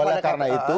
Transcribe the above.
oleh karena itu